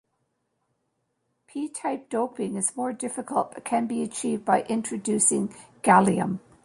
P-type doping is more difficult, but can be achieved by introducing gallium.